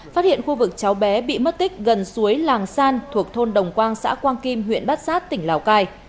phát hiện khu vực cháu bé bị mất tích gần suối làng san thuộc thôn đồng quang xã quang kim huyện bát sát tỉnh lào cai